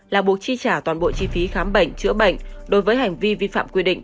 là buộc chi trả toàn bộ chi phí khám bệnh chữa bệnh đối với hành vi vi phạm quy định